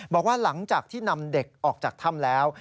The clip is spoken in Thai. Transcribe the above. บอกว่าหลังจากที่นำเด็กออกจากถ้ำแล้ว